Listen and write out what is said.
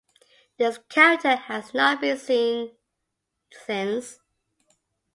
This character has not been seen since.